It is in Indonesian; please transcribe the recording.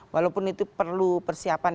walaupun itu perlu persiapan